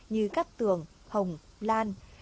như các tường hồng lan